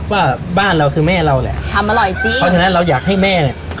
ว่าบ้านเราคือแม่เราแหละทำอร่อยจริงเพราะฉะนั้นเราอยากให้แม่เนี้ย